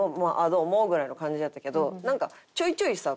どうもぐらいの感じやったけどなんかちょいちょいさ